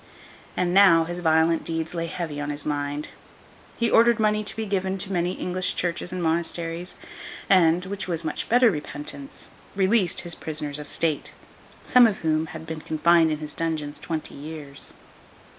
And now, his violent deeds lay heavy on his mind. He ordered money to be given to many English churches and monasteries, and—which was much better repentance—released his prisoners of state, some of whom had been confined in his dungeons twenty years.